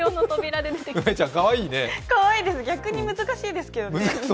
かわいいです、逆に難しいですけどね。